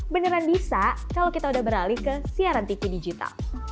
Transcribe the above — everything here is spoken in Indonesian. beneran bisa kalau kita udah beralih ke siaran tv digital